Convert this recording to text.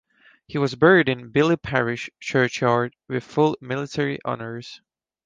He was buried in Billy Parish Churchyard, with full military honours.